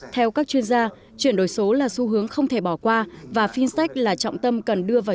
theo các chuyên gia chuyển đổi số là xu hướng không thể bỏ qua và fintech là trọng tâm cần đưa vào